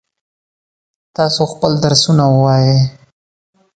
تاسو خپل درسونه ووایئ.